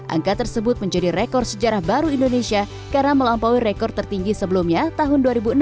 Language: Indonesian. angka tersebut menjadi rekor sejarah baru indonesia karena melampaui rekor tertinggi sebelumnya tahun dua ribu enam belas